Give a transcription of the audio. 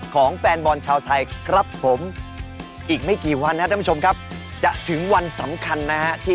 เข้าหลังโครบทรงชาติ